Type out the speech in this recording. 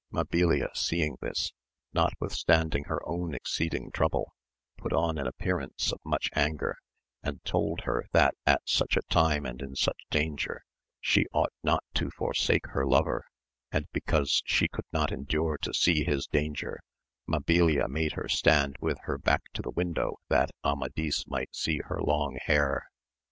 Mabilia seeing this, notwithstanding her own exceeding trouble, put on an appearance of much anger, and told her that at such a time and in such danger she ought not to forsake her lover, and be cause she could not endure to see his danger, Mabilia made her stand with her back to the window that Amadis might see her long hair.